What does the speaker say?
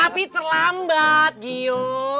tapi terlambat giyo